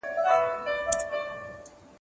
موږ چي ول دا لاره به بالا سمه وي باره خرابه وه